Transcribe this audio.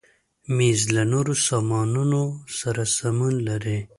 مېز له نورو سامانونو سره سمون لري.